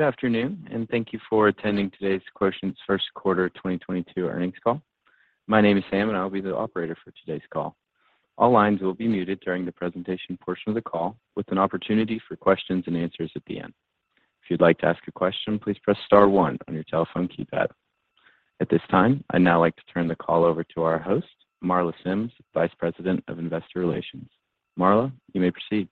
Good afternoon, and thank you for attending today's Quotient's first quarter 2022 earnings call. My name is Sam, and I will be the operator for today's call. All lines will be muted during the presentation portion of the call, with an opportunity for questions and answers at the end. If you'd like to ask a question, please press star one on your telephone keypad. At this time, I'd now like to turn the call over to our host, Marla Sims, Vice President of Investor Relations. Marla, you may proceed.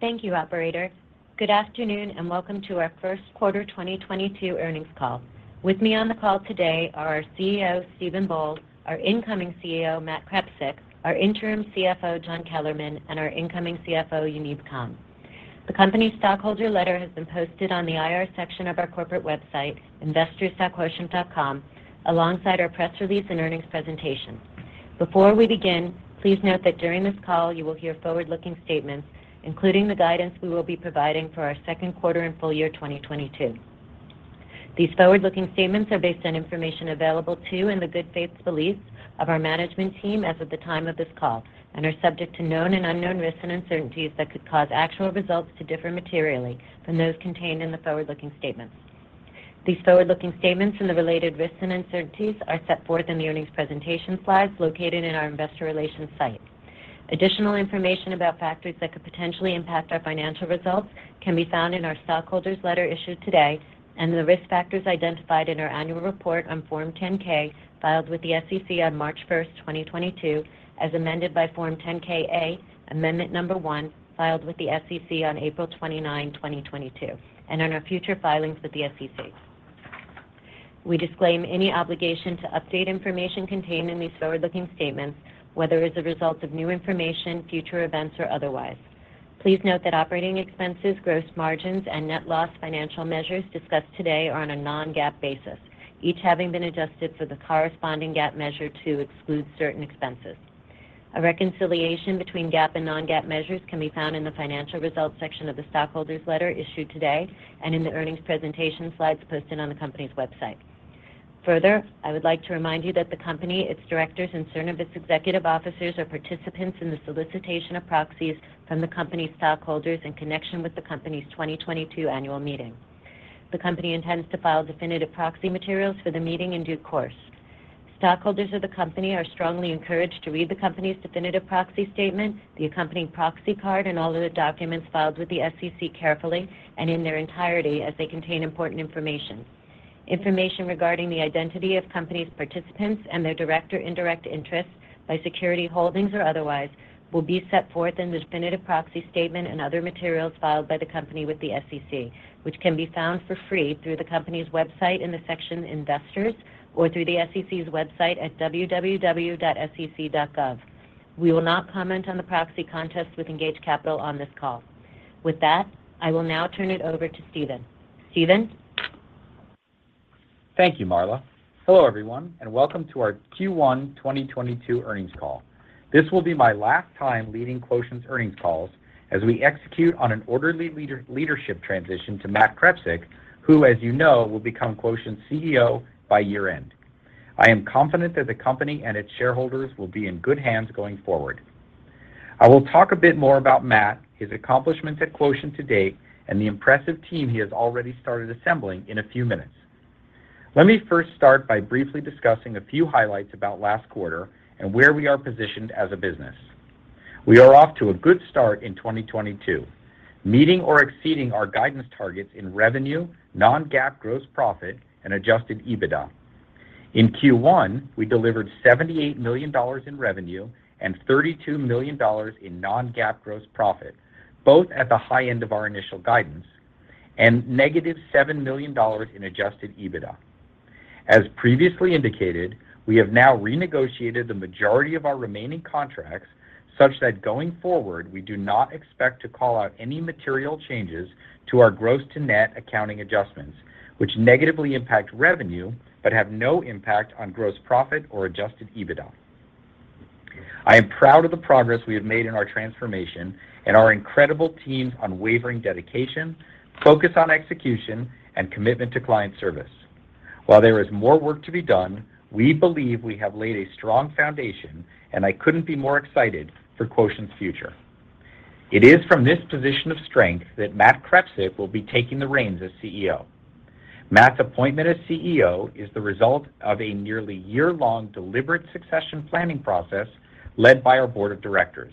Thank you, operator. Good afternoon, and welcome to our first quarter 2022 earnings call. With me on the call today are our CEO, Steven Boal, our incoming CEO, Matthew Krepsik, our interim CFO, John Kellerman, and our incoming CFO, Yuneeb Khan. The company's stockholder letter has been posted on the IR section of our corporate website, investors.quotient.com, alongside our press release and earnings presentation. Before we begin, please note that during this call, you will hear forward-looking statements, including the guidance we will be providing for our second quarter and full year 2022. These forward-looking statements are based on information available to and the good faith beliefs of our management team as of the time of this call and are subject to known and unknown risks and uncertainties that could cause actual results to differ materially from those contained in the forward-looking statements. These forward-looking statements and the related risks and uncertainties are set forth in the earnings presentation slides located in our investor relations site. Additional information about factors that could potentially impact our financial results can be found in our stockholders' letter issued today and the risk factors identified in our annual report on Form 10-K filed with the SEC on March 1, 2022, as amended by Form 10-K, Amendment number 1, filed with the SEC on April 29, 2022, and in our future filings with the SEC. We disclaim any obligation to update information contained in these forward-looking statements, whether as a result of new information, future events, or otherwise. Please note that operating expenses, gross margins, and net loss financial measures discussed today are on a non-GAAP basis, each having been adjusted for the corresponding GAAP measure to exclude certain expenses. A reconciliation between GAAP and non-GAAP measures can be found in the financial results section of the stockholders' letter issued today and in the earnings presentation slides posted on the company's website. Further, I would like to remind you that the company, its directors, and certain of its executive officers are participants in the solicitation of proxies from the company's stockholders in connection with the company's 2022 annual meeting. The company intends to file definitive proxy materials for the meeting in due course. Stockholders of the company are strongly encouraged to read the company's definitive proxy statement, the accompanying proxy card, and all other documents filed with the SEC carefully and in their entirety as they contain important information. Information regarding the identity of the company's participants and their direct or indirect interests in securities holdings or otherwise will be set forth in the definitive proxy statement and other materials filed by the company with the SEC, which can be found for free through the company's website in the section Investors or through the SEC's website at www.sec.gov. We will not comment on the proxy contest with Engaged Capital on this call. With that, I will now turn it over to Steven. Steven? Thank you, Marla. Hello, everyone, and welcome to our Q1 2022 earnings call. This will be my last time leading Quotient's earnings calls as we execute on an orderly leadership transition to Matt Krepsik, who, as you know, will become Quotient's CEO by year-end. I am confident that the company and its shareholders will be in good hands going forward. I will talk a bit more about Matt, his accomplishments at Quotient to date, and the impressive team he has already started assembling in a few minutes. Let me first start by briefly discussing a few highlights about last quarter and where we are positioned as a business. We are off to a good start in 2022, meeting or exceeding our guidance targets in revenue, non-GAAP gross profit, and adjusted EBITDA. In Q1, we delivered $78 million in revenue and $32 million in non-GAAP gross profit, both at the high end of our initial guidance, and -$7 million in adjusted EBITDA. As previously indicated, we have now renegotiated the majority of our remaining contracts such that going forward, we do not expect to call out any material changes to our gross to net accounting adjustments, which negatively impact revenue but have no impact on gross profit or adjusted EBITDA. I am proud of the progress we have made in our transformation and our incredible team's unwavering dedication, focus on execution, and commitment to client service. While there is more work to be done, we believe we have laid a strong foundation, and I couldn't be more excited for Quotient's future. It is from this position of strength that Matt Krepsik will be taking the reins as CEO. Matt's appointment as CEO is the result of a nearly year-long deliberate succession planning process led by our board of directors.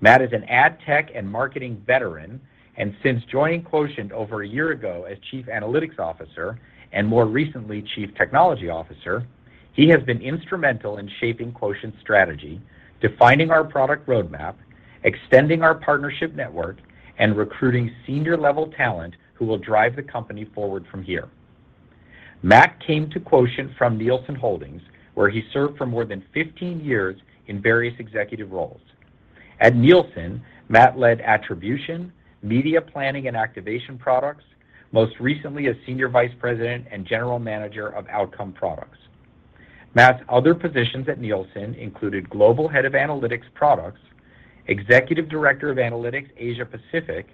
Matt is an ad tech and marketing veteran, and since joining Quotient over a year ago as Chief Analytics Officer and more recently Chief Technology Officer, he has been instrumental in shaping Quotient's strategy, defining our product roadmap, extending our partnership network, and recruiting senior-level talent who will drive the company forward from here. Matt came to Quotient from Nielsen Holdings, where he served for more than 15 years in various executive roles. At Nielsen, Matt led attribution, media planning, and activation products, most recently as Senior Vice President and General Manager of Outcome Products. Matt's other positions at Nielsen included Global Head of Analytics Products, Executive Director of Analytics Asia Pacific,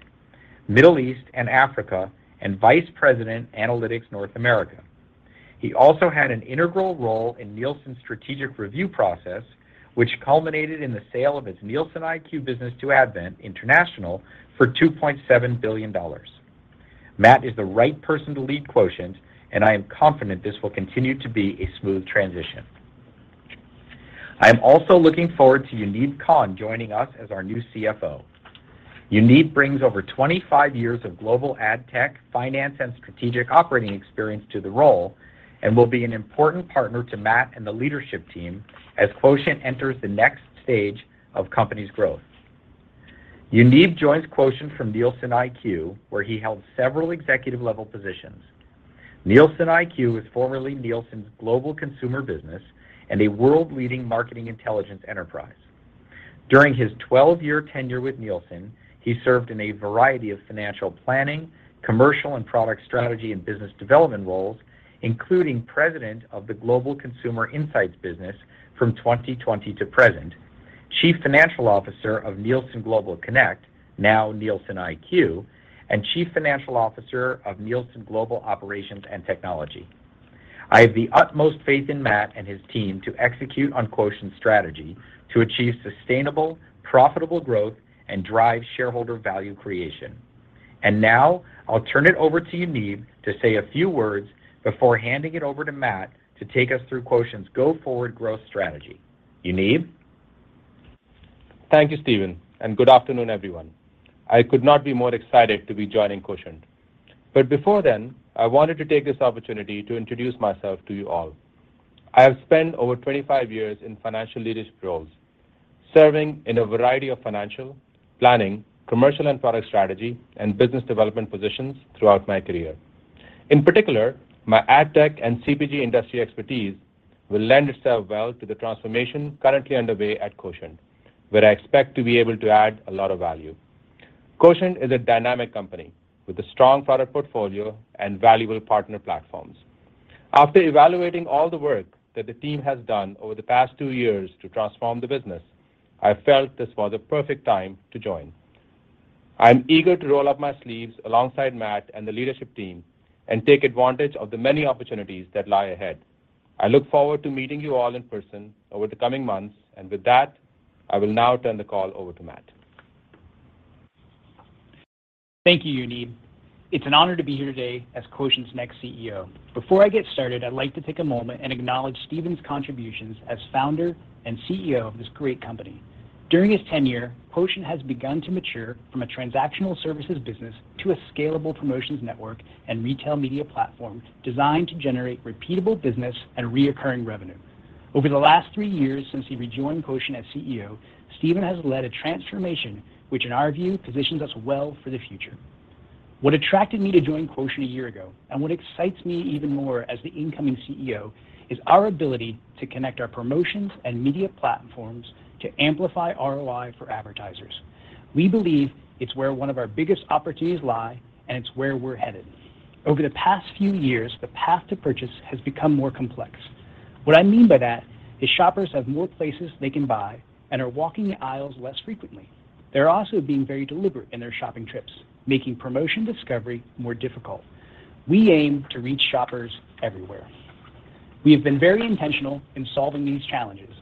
Middle East, and Africa, and Vice President Analytics North America. He also had an integral role in Nielsen's strategic review process, which culminated in the sale of its NielsenIQ business to Advent International for $2.7 billion. Matt is the right person to lead Quotient, and I am confident this will continue to be a smooth transition. I am also looking forward to Yuneeb Khan joining us as our new CFO. Yuneeb brings over 25 years of global ad tech, finance, and strategic operating experience to the role and will be an important partner to Matt and the leadership team as Quotient enters the next stage of company's growth. Yuneeb joins Quotient from NielsenIQ, where he held several executive-level positions. NielsenIQ is formerly Nielsen's global consumer business and a world-leading marketing intelligence enterprise. During his 12-year tenure with Nielsen, he served in a variety of financial planning, commercial and product strategy, and business development roles, including president of the global consumer insights business from 2020 to present, chief financial officer of Nielsen Global Connect, now NielsenIQ, and chief financial officer of Nielsen Global Operations and Technology. I have the utmost faith in Matt and his team to execute on Quotient's strategy to achieve sustainable, profitable growth and drive shareholder value creation. Now I'll turn it over to Yuneeb to say a few words before handing it over to Matt to take us through Quotient's go-forward growth strategy. Yuneeb. Thank you, Steven, and good afternoon, everyone. I could not be more excited to be joining Quotient. Before then, I wanted to take this opportunity to introduce myself to you all. I have spent over 25 years in financial leadership roles, serving in a variety of financial planning, commercial and product strategy, and business development positions throughout my career. In particular, my ad tech and CPG industry expertise will lend itself well to the transformation currently underway at Quotient, where I expect to be able to add a lot of value. Quotient is a dynamic company with a strong product portfolio and valuable partner platforms. After evaluating all the work that the team has done over the past two years to transform the business, I felt this was the perfect time to join. I'm eager to roll up my sleeves alongside Matt and the leadership team and take advantage of the many opportunities that lie ahead. I look forward to meeting you all in person over the coming months, and with that, I will now turn the call over to Matt. Thank you, Yuneeb. It's an honor to be here today as Quotient's next CEO. Before I get started, I'd like to take a moment and acknowledge Steven Boal's contributions as founder and CEO of this great company. During his tenure, Quotient has begun to mature from a transactional services business to a scalable promotions network and retail media platform designed to generate repeatable business and recurring revenue. Over the last three years since he rejoined Quotient as CEO, Steven Boal has led a transformation which, in our view, positions us well for the future. What attracted me to join Quotient a year ago and what excites me even more as the incoming CEO is our ability to connect our promotions and media platforms to amplify ROI for advertisers. We believe it's where one of our biggest opportunities lie, and it's where we're headed. Over the past few years, the path to purchase has become more complex. What I mean by that is shoppers have more places they can buy and are walking the aisles less frequently. They're also being very deliberate in their shopping trips, making promotion discovery more difficult. We aim to reach shoppers everywhere. We have been very intentional in solving these challenges.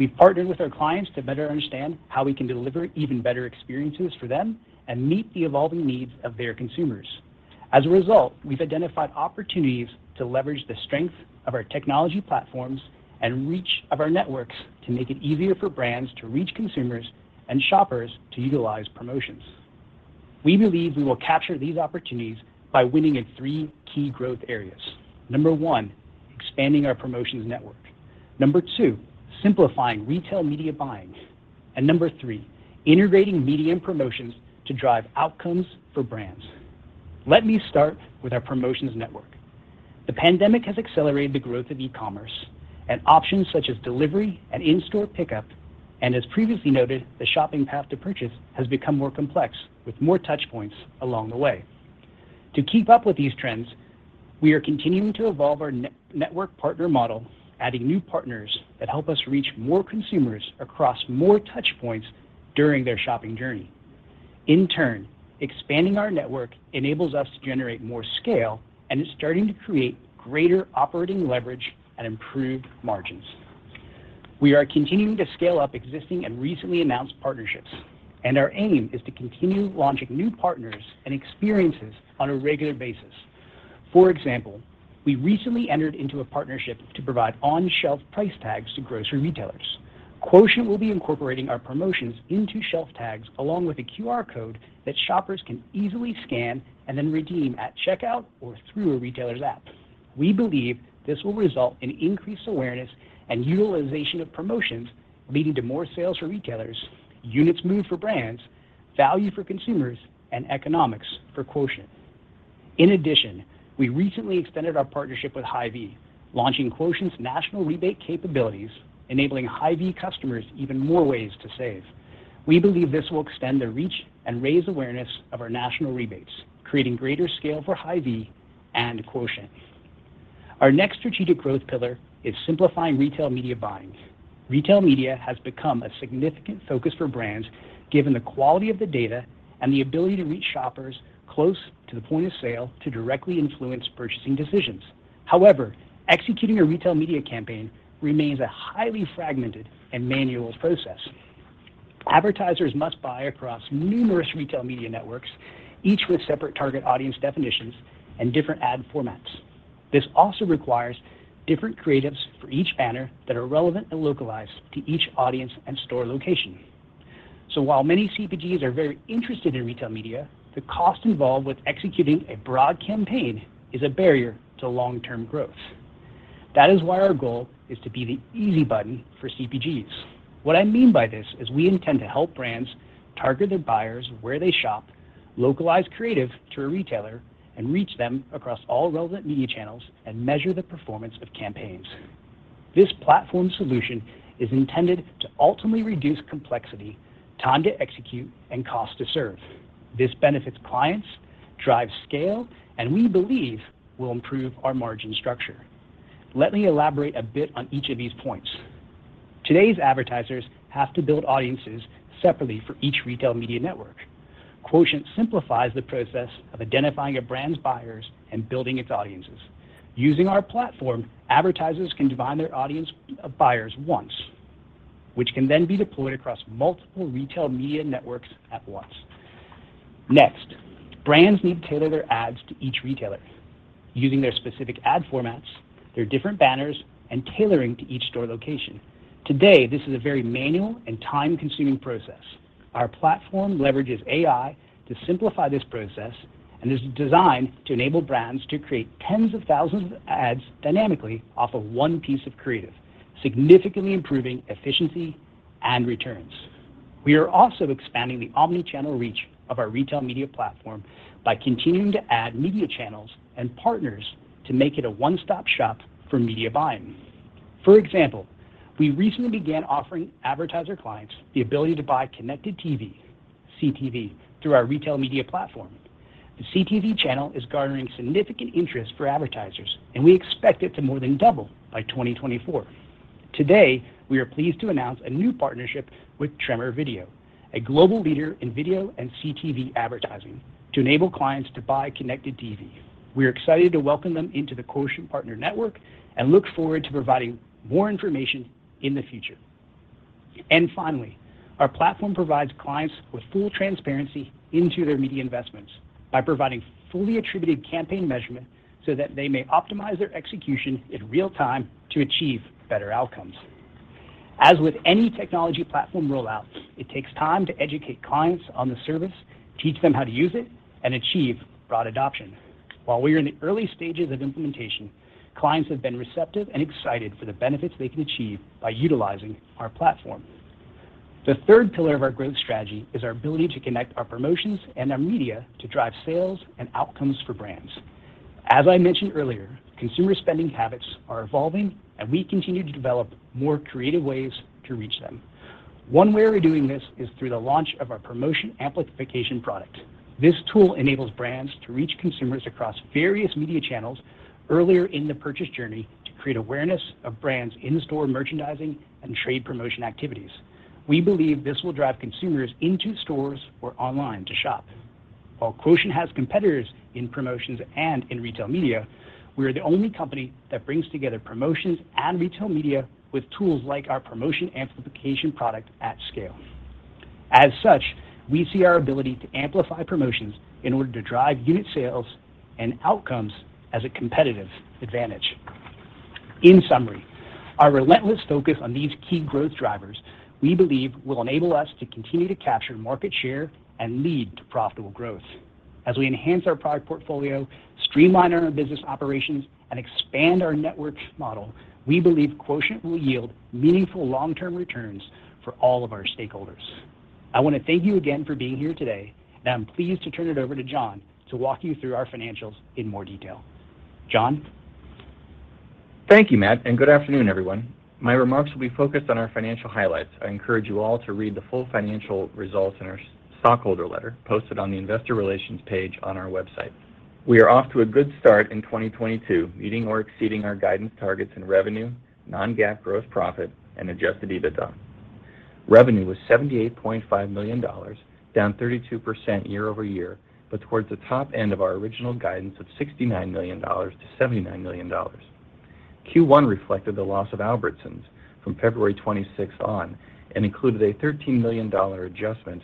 We've partnered with our clients to better understand how we can deliver even better experiences for them and meet the evolving needs of their consumers. As a result, we've identified opportunities to leverage the strength of our technology platforms and reach of our networks to make it easier for brands to reach consumers and shoppers to utilize promotions. We believe we will capture these opportunities by winning in three key growth areas. Number one, expanding our promotions network. Number two, simplifying retail media buying. Number three, integrating media and promotions to drive outcomes for brands. Let me start with our promotions network. The pandemic has accelerated the growth of e-commerce and options such as delivery and in-store pickup, and as previously noted, the shopping path to purchase has become more complex with more touch points along the way. To keep up with these trends, we are continuing to evolve our network partner model, adding new partners that help us reach more consumers across more touch points during their shopping journey. In turn, expanding our network enables us to generate more scale and is starting to create greater operating leverage and improved margins. We are continuing to scale up existing and recently announced partnerships, and our aim is to continue launching new partners and experiences on a regular basis. For example, we recently entered into a partnership to provide on-shelf price tags to grocery retailers. Quotient will be incorporating our promotions into shelf tags along with a QR code that shoppers can easily scan and then redeem at checkout or through a retailer's app. We believe this will result in increased awareness and utilization of promotions, leading to more sales for retailers, units moved for brands, value for consumers, and economics for Quotient. In addition, we recently extended our partnership with Hy-Vee, launching Quotient's national rebate capabilities, enabling Hy-Vee customers even more ways to save. We believe this will extend the reach and raise awareness of our national rebates, creating greater scale for Hy-Vee and Quotient. Our next strategic growth pillar is simplifying retail media buying. Retail media has become a significant focus for brands given the quality of the data and the ability to reach shoppers close to the point of sale to directly influence purchasing decisions. However, executing a retail media campaign remains a highly fragmented and manual process. Advertisers must buy across numerous retail media networks, each with separate target audience definitions and different ad formats. This also requires different creatives for each banner that are relevant and localized to each audience and store location. While many CPGs are very interested in retail media, the cost involved with executing a broad campaign is a barrier to long-term growth. That is why our goal is to be the easy button for CPGs. What I mean by this is we intend to help brands target their buyers where they shop, localize creative to a retailer, and reach them across all relevant media channels and measure the performance of campaigns. This platform solution is intended to ultimately reduce complexity, time to execute, and cost to serve. This benefits clients, drives scale, and we believe will improve our margin structure. Let me elaborate a bit on each of these points. Today's advertisers have to build audiences separately for each retail media network. Quotient simplifies the process of identifying a brand's buyers and building its audiences. Using our platform, advertisers can define their audience of buyers once, which can then be deployed across multiple retail media networks at once. Next, brands need to tailor their ads to each retailer using their specific ad formats, their different banners, and tailoring to each store location. Today, this is a very manual and time-consuming process. Our platform leverages AI to simplify this process and is designed to enable brands to create tens of thousands of ads dynamically off of one piece of creative, significantly improving efficiency and returns. We are also expanding the omni-channel reach of our retail media platform by continuing to add media channels and partners to make it a one-stop shop for media buying. For example, we recently began offering advertiser clients the ability to buy connected TV, CTV, through our retail media platform. The CTV channel is garnering significant interest for advertisers, and we expect it to more than double by 2024. Today, we are pleased to announce a new partnership with Tremor Video, a global leader in video and CTV advertising, to enable clients to buy connected TV. We are excited to welcome them into the Quotient partner network and look forward to providing more information in the future. Finally, our platform provides clients with full transparency into their media investments by providing fully attributed campaign measurement so that they may optimize their execution in real time to achieve better outcomes. As with any technology platform rollout, it takes time to educate clients on the service, teach them how to use it, and achieve broad adoption. While we are in the early stages of implementation, clients have been receptive and excited for the benefits they can achieve by utilizing our platform. The third pillar of our growth strategy is our ability to connect our promotions and our media to drive sales and outcomes for brands. As I mentioned earlier, consumer spending habits are evolving, and we continue to develop more creative ways to reach them. One way we're doing this is through the launch of our Promotion Amplification product. This tool enables brands to reach consumers across various media channels earlier in the purchase journey to create awareness of brands in-store merchandising and trade promotion activities. We believe this will drive consumers into stores or online to shop. While Quotient has competitors in promotions and in retail media, we are the only company that brings together promotions and retail media with tools like our Promotion Amplification product at scale. As such, we see our ability to amplify promotions in order to drive unit sales and outcomes as a competitive advantage. In summary, our relentless focus on these key growth drivers, we believe, will enable us to continue to capture market share and lead to profitable growth. As we enhance our product portfolio, streamline our business operations, and expand our network model, we believe Quotient will yield meaningful long-term returns for all of our stakeholders. I want to thank you again for being here today, and I'm pleased to turn it over to John to walk you through our financials in more detail. John? Thank you, Matt, and good afternoon, everyone. My remarks will be focused on our financial highlights. I encourage you all to read the full financial results in our stockholder letter posted on the investor relations page on our website. We are off to a good start in 2022, meeting or exceeding our guidance targets in revenue, non-GAAP gross profit, and adjusted EBITDA. Revenue was $78.5 million, down 32% year-over-year, but towards the top end of our original guidance of $69 million-$79 million. Q1 reflected the loss of Albertsons from February 26th on, and included a $13 million adjustment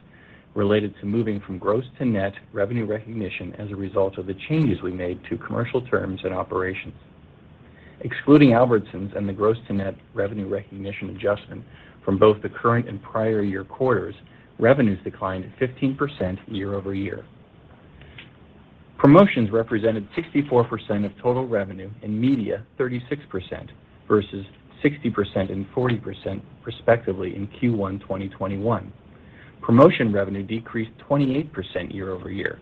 related to moving from gross to net revenue recognition as a result of the changes we made to commercial terms and operations. Excluding Albertsons and the gross to net revenue recognition adjustment from both the current and prior year quarters, revenues declined 15% year-over-year. Promotions represented 64% of total revenue and media 36% versus 60% and 40% respectively in Q1 2021. Promotion revenue decreased 28% year-over-year.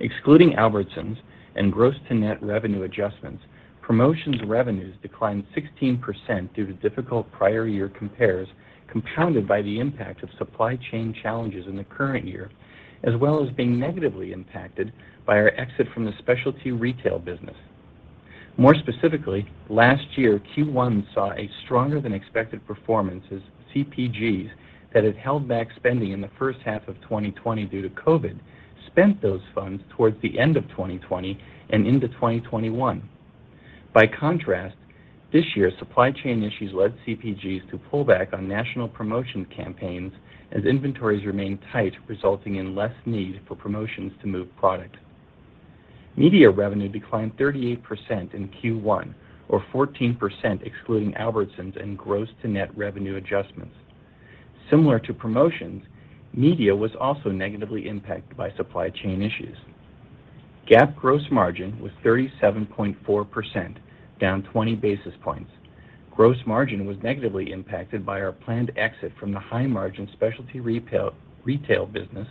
Excluding Albertsons and gross to net revenue adjustments, promotions revenues declined 16% due to difficult prior year compares compounded by the impact of supply chain challenges in the current year as well as being negatively impacted by our exit from the specialty retail business. More specifically, last year, Q1 saw a stronger than expected performance as CPGs that had held back spending in the first half of 2020 due to COVID spent those funds towards the end of 2020 and into 2021. By contrast, this year, supply chain issues led CPGs to pull back on national promotion campaigns as inventories remained tight, resulting in less need for promotions to move product. Media revenue declined 38% in Q1, or 14% excluding Albertsons and gross to net revenue adjustments. Similar to promotions, media was also negatively impacted by supply chain issues. GAAP gross margin was 37.4%, down 20 basis points. Gross margin was negatively impacted by our planned exit from the high margin specialty retail business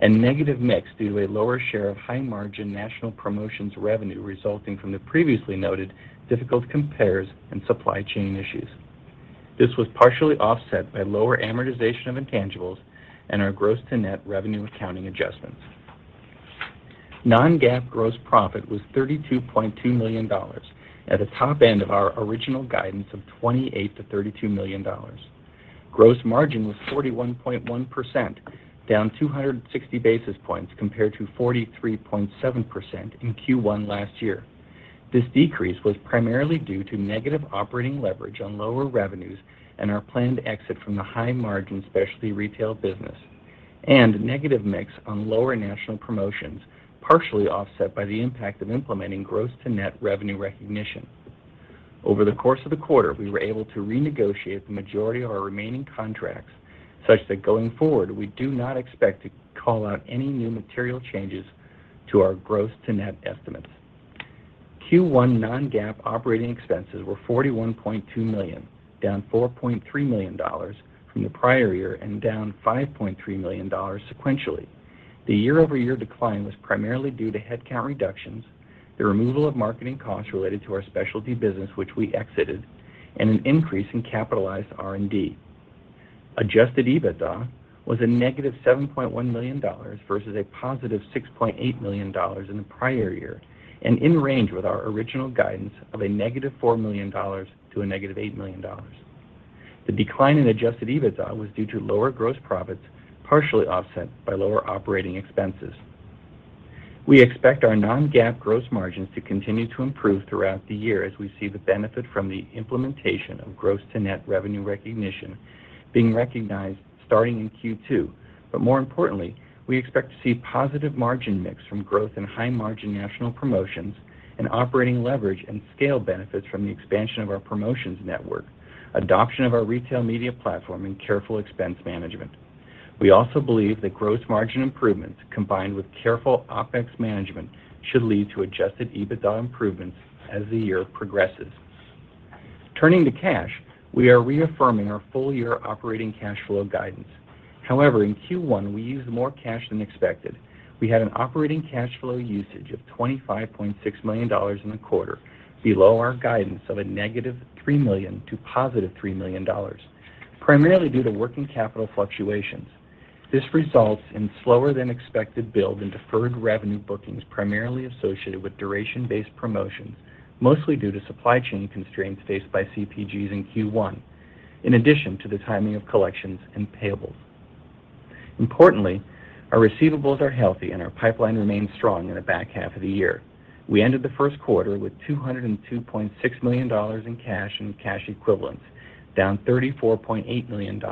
and negative mix due to a lower share of high margin national promotions revenue resulting from the previously noted difficult compares and supply chain issues. This was partially offset by lower amortization of intangibles and our gross to net revenue accounting adjustments. non-GAAP gross profit was $32.2 million at the top end of our original guidance of $28-$32 million. Gross margin was 41.1%, down 260 basis points compared to 43.7% in Q1 last year. This decrease was primarily due to negative operating leverage on lower revenues and our planned exit from the high margin specialty retail business and negative mix on lower national promotions, partially offset by the impact of implementing gross to net revenue recognition. Over the course of the quarter, we were able to renegotiate the majority of our remaining contracts such that going forward, we do not expect to call out any new material changes to our gross to net estimates. Q1 non-GAAP operating expenses were $41.2 million, down $4.3 million from the prior year and down $5.3 million sequentially. The year-over-year decline was primarily due to headcount reductions, the removal of marketing costs related to our specialty business which we exited, and an increase in capitalized R&D. Adjusted EBITDA was a negative $7.1 million versus a positive $6.8 million in the prior year and in range with our original guidance of a negative $4 million to a negative $8 million. The decline in adjusted EBITDA was due to lower gross profits, partially offset by lower operating expenses. We expect our non-GAAP gross margins to continue to improve throughout the year as we see the benefit from the implementation of gross to net revenue recognition being recognized starting in Q2. More importantly, we expect to see positive margin mix from growth in high margin national promotions and operating leverage and scale benefits from the expansion of our promotions network, adoption of our retail media platform, and careful expense management. We also believe that gross margin improvements combined with careful OpEx management should lead to adjusted EBITDA improvements as the year progresses. Turning to cash, we are reaffirming our full year operating cash flow guidance. However, in Q1, we used more cash than expected. We had an operating cash flow usage of $25.6 million in the quarter below our guidance of negative $3 million to positive $3 million, primarily due to working capital fluctuations. This results in slower than expected build in deferred revenue bookings primarily associated with duration-based promotions, mostly due to supply chain constraints faced by CPGs in Q1, in addition to the timing of collections and payables. Importantly, our receivables are healthy and our pipeline remains strong in the back half of the year. We ended the first quarter with $202.6 million in cash and cash equivalents, down $34.8 million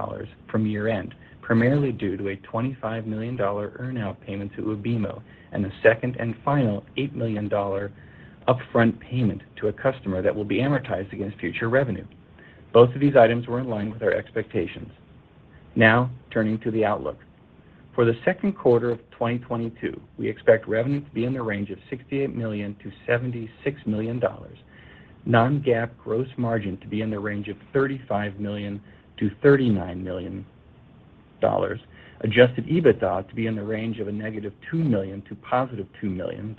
from year-end, primarily due to a $25 million earn out payment to Ubimo and the second and final $8 million upfront payment to a customer that will be amortized against future revenue. Both of these items were in line with our expectations. Now, turning to the outlook. For the second quarter of 2022, we expect revenue to be in the range of $68 million-$76 million, non-GAAP gross margin to be in the range of $35 million-$39 million, adjusted EBITDA to be in the range of negative $2 million to positive $2 million,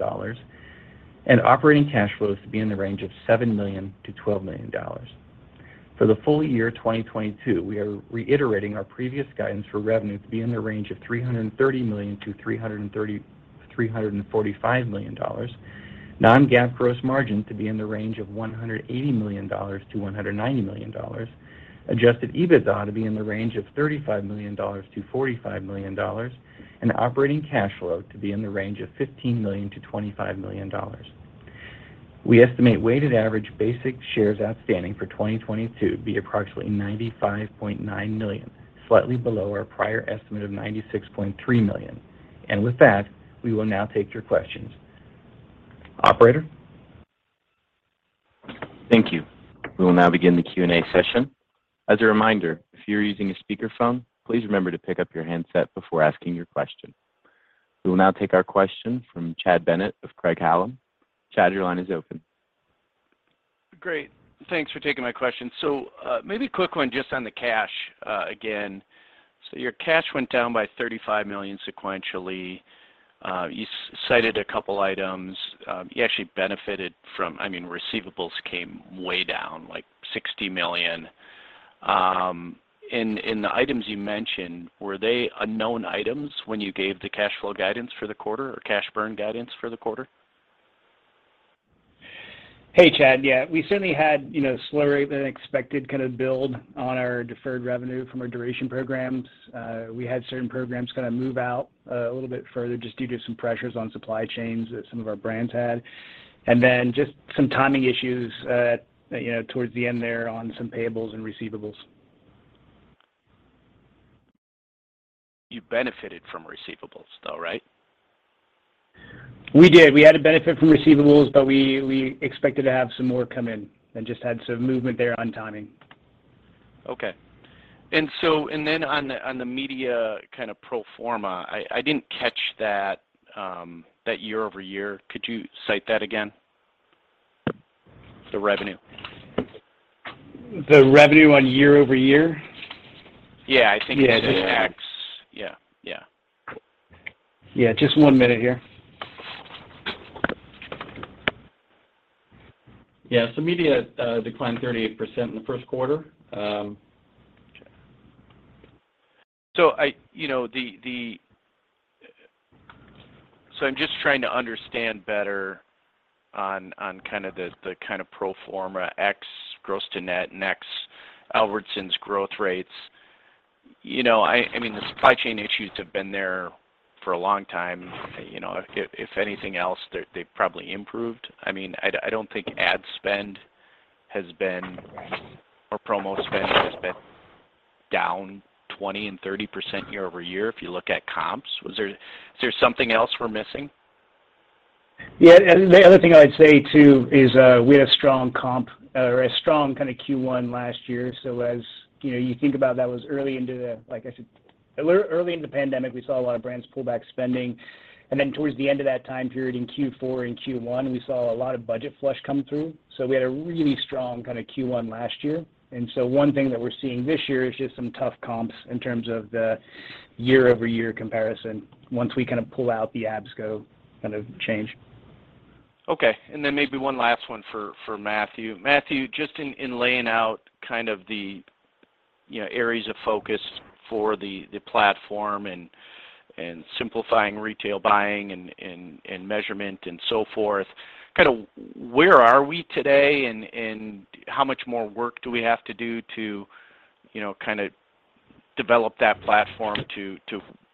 and operating cash flows to be in the range of $7 million-$12 million. For the full year 2022, we are reiterating our previous guidance for revenue to be in the range of $330 million-$345 million, non-GAAP gross margin to be in the range of $180 million-$190 million, adjusted EBITDA to be in the range of $35 million-$45 million, and operating cash flow to be in the range of $15 million-$25 million. We estimate weighted average basic shares outstanding for 2022 to be approximately 95.9 million, slightly below our prior estimate of 96.3 million. With that, we will now take your questions. Operator? Thank you. We will now begin the Q&A session. As a reminder, if you're using a speakerphone, please remember to pick up your handset before asking your question. We will now take our question from Chad Bennett of Craig-Hallum. Chad, your line is open. Great. Thanks for taking my question. Maybe a quick one just on the cash, again. Your cash went down by $35 million sequentially. You cited a couple items. You actually benefited, I mean, receivables came way down, like $60 million. In the items you mentioned, were they unknown items when you gave the cash flow guidance for the quarter or cash burn guidance for the quarter? Hey, Chad. Yeah, we certainly had, you know, slower than expected kind of build on our deferred revenue from our duration programs. We had certain programs kinda move out a little bit further just due to some pressures on supply chains that some of our brands had. Just some timing issues, you know, towards the end there on some payables and receivables. You benefited from receivables though, right? We did. We had a benefit from receivables, but we expected to have some more come in and just had some movement there on timing. On the media kind of pro forma, I didn't catch that year-over-year. Could you cite that again? The revenue. The revenue year-over-year? Yeah, I think. Yeah. Just X. Yeah. Yeah. Yeah. Just one minute here. Yeah. Media declined 38% in the first quarter. I'm just trying to understand better on the kind of pro forma ex gross to net and ex Albertsons growth rates. You know, I mean, the supply chain issues have been there for a long time. You know, if anything else, they've probably improved. I mean, I don't think ad spend has been or promo spend has been down 20% and 30% year-over-year if you look at comps. Is there something else we're missing? Yeah. The other thing I'd say too is, we had a strong comp or a strong kind of Q1 last year. As you know, you think about that. That was early into the, like I said, early in the pandemic, we saw a lot of brands pull back spending. Then towards the end of that time period in Q4 and Q1, we saw a lot of budget flush come through. We had a really strong kind of Q1 last year. One thing that we're seeing this year is just some tough comps in terms of the year-over-year comparison once we kind of pull out the Albertsons kind of change. Okay. Maybe one last one for Matthew. Matthew, just in laying out kind of the, you know, areas of focus for the platform and simplifying retail buying and measurement and so forth, kind of where are we today and how much more work do we have to do to, you know, kind of develop that platform to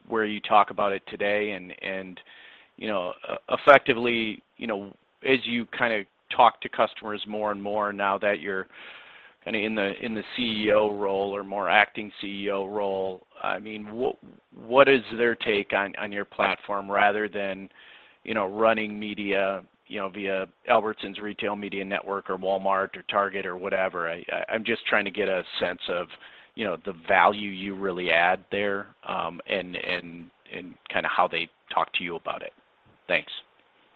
where you talk about it today? You know, effectively, you know, as you kind of talk to customers more and more now that you're kinda in the CEO role or more acting CEO role, I mean, what is their take on your platform rather than, you know, running media, you know, via Albertsons Media Collective or Walmart or Target or whatever? I'm just trying to get a sense of, you know, the value you really add there, and kinda how they talk to you about it. Thanks.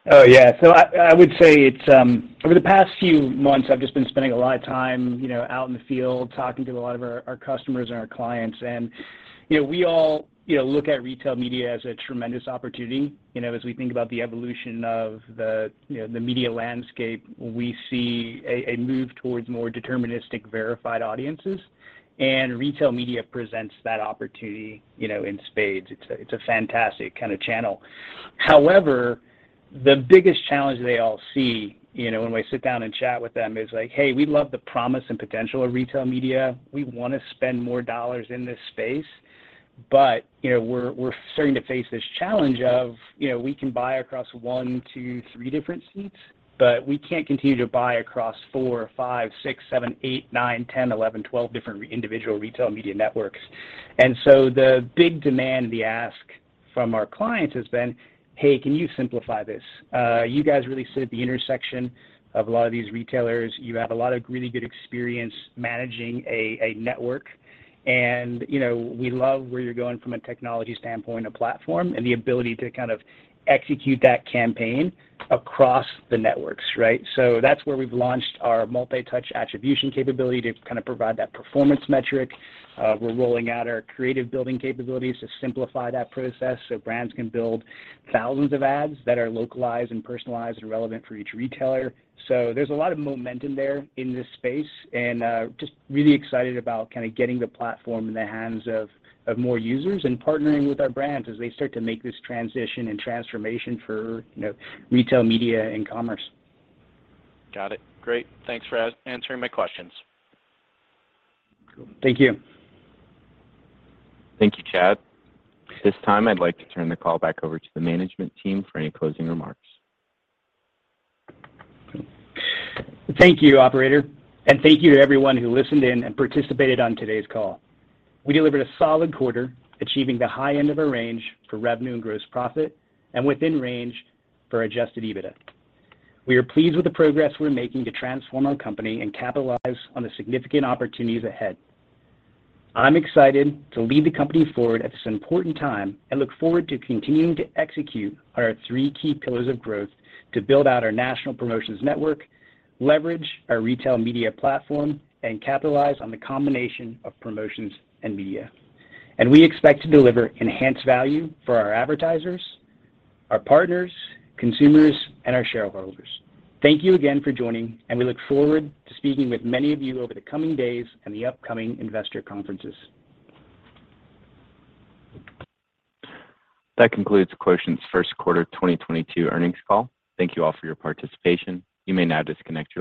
Oh, yeah. I would say it's over the past few months, I've just been spending a lot of time, you know, out in the field talking to a lot of our customers and our clients. We all, you know, look at retail media as a tremendous opportunity. You know, as we think about the evolution of the, you know, the media landscape, we see a move towards more deterministic, verified audiences, and retail media presents that opportunity, you know, in spades. It's a fantastic kind of channel. However, the biggest challenge they all see, you know, when we sit down and chat with them is like, "Hey, we love the promise and potential of retail media. We wanna spend more dollars in this space, but, you know, we're starting to face this challenge of, you know, we can buy across one, two, three different suites, but we can't continue to buy across four, five, six, seven, eight, nine, ten, eleven, twelve different retail media networks. The big demand, the ask from our clients has been, "Hey, can you simplify this? You guys really sit at the intersection of a lot of these retailers. You have a lot of really good experience managing a network and, you know, we love where you're going from a technology standpoint of platform, and the ability to kind of execute that campaign across the networks," right? That's where we've launched our multi-touch attribution capability to kind of provide that performance metric. We're rolling out our creative building capabilities to simplify that process, so brands can build thousands of ads that are localized and personalized and relevant for each retailer. There's a lot of momentum there in this space, and just really excited about kinda getting the platform in the hands of more users and partnering with our brands as they start to make this transition and transformation for, you know, retail media and commerce. Got it. Great. Thanks for answering my questions. Cool. Thank you. Thank you, Chad. At this time, I'd like to turn the call back over to the management team for any closing remarks. Thank you, operator, and thank you to everyone who listened in and participated on today's call. We delivered a solid quarter, achieving the high end of our range for revenue and gross profit and within range for adjusted EBITDA. We are pleased with the progress we're making to transform our company and capitalize on the significant opportunities ahead. I'm excited to lead the company forward at this important time and look forward to continuing to execute our three key pillars of growth to build out our national promotions network, leverage our retail media platform, and capitalize on the combination of promotions and media. We expect to deliver enhanced value for our advertisers, our partners, consumers, and our shareholders. Thank you again for joining, and we look forward to speaking with many of you over the coming days in the upcoming investor conferences. That concludes Quotient's first quarter 2022 earnings call. Thank you all for your participation. You may now disconnect your lines.